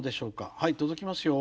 はい届きますよ。